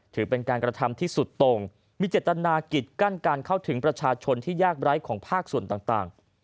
ถือเป็นการกระทำที่สุดตรงมีเจตนากิจกั้นการเข้าถึงประชาชนที่ยากไร้ของภาคส่วนต่าง